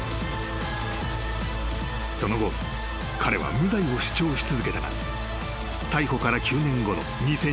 ［その後彼は無罪を主張し続けたが逮捕から９年後の２０２０年］